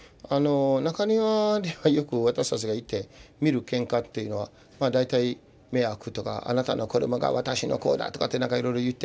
中庭ではよく私たちがいて見るケンカっていうのは大体迷惑とかあなたの子どもが私のこうだとかってなんかいろいろ言って。